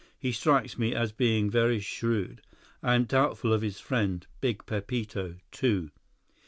He strikes me as being very shrewd. I am doubtful of his friend, Big Pepito, too."